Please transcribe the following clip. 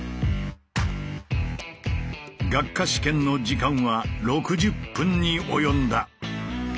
学科試験の時間は６０分に及んだ。